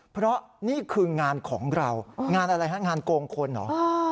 เพราะนี่คืองานของเรางานอะไรฮะงานโกงคนเหรอ